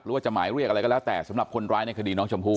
ว่าจะหมายเรียกอะไรก็แล้วแต่สำหรับคนร้ายในคดีน้องชมพู่